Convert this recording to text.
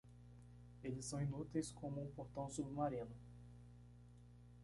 Eles são inúteis como um portão submarino.